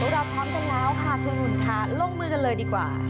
เราพร้อมกันแล้วค่ะคุณอุ่นค่ะลงมือกันเลยดีกว่า